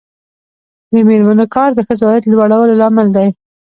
د میرمنو کار د ښځو عاید لوړولو لامل دی.